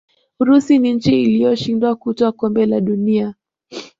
urusi ni nchi iliyoshindwa kutwaa kombe la dunia